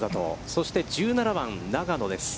そして、１７番、永野です。